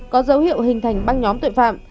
có dấu hiệu hình thành băng nhóm tội phạm